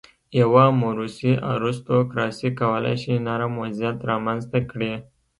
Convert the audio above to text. یوه موروثي ارستوکراسي کولای شي نرم وضعیت رامنځته کړي.